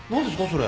それ。